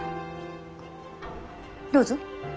どうぞ？